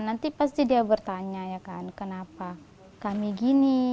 nanti pasti dia bertanya ya kan kenapa kami gini